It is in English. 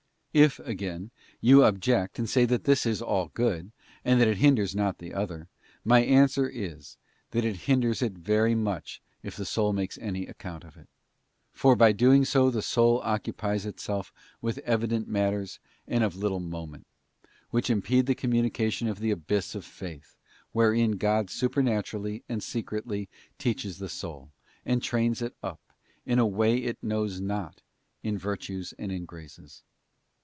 If, again, you object and say that this is all good, and that it hinders not the other; my answer is, that it hinders it very much if the soul makes any account of it; for by doing so the soul occupies itself with evident matters and of little moment, which impede the communication of the abyss of faith, wherein God supernaturally and secretly teaches the soul, and trains it up, in a way it knows not, in virtues and in graces.